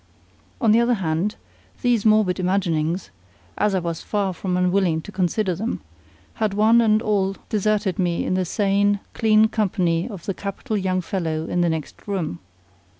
On the other hand, these morbid imaginings (as I was far from unwilling to consider them) had one and all deserted me in the sane, clean company of the capital young fellow in the next room.